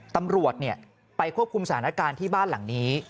ตำรวจไปควบคุมสถานการณ์ที่บ้านหลังนี้